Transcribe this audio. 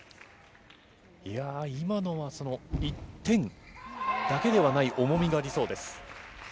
いやー、今のは１点だけではない重みがありそうです。